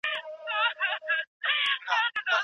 وېره د زده کوونکي وړتیا کموي.